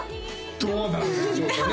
どうなるんでしょうかね？